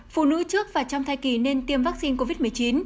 phụ nữ trước và trong thai kỳ nên tiêm vaccine covid một mươi chín